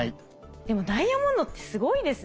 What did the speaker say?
でもダイヤモンドってすごいですね。